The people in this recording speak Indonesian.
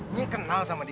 nyia kenal sama dia